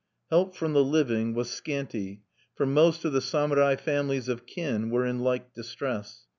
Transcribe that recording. Help from the living was scanty, for most of the samurai families of kin were in like distress.